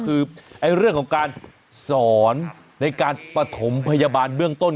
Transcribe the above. คือเรื่องของการสอนในการปฐมพยาบาลเบื้องต้น